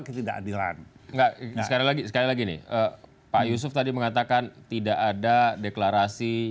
ketidakadilan enggak sekali lagi sekali lagi nih pak yusuf tadi mengatakan tidak ada deklarasi